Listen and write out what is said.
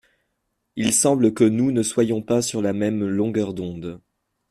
Il semble que nous ne soyons pas sur la même longueur d’ondes.